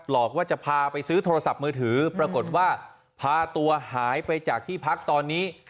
หลอกว่าจะพาไปซื้อโทรศัพท์มือถือปรากฏว่าพาตัวหายไปจากที่พักตอนนี้